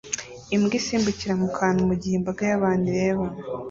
Imbwa isimbukira mu kantu mu gihe imbaga y'abantu ireba